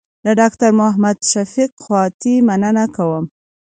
له ډاکټر محمد شفق خواتي مننه کوم.